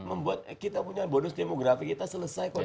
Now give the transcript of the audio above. membuat kita punya bonus demografi kita selesai kok dua ribu tiga puluh